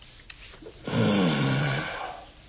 うん。